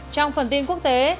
trong phần tin quốc tế